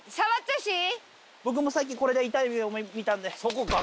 僕もさっきこれで痛い目を見たんで。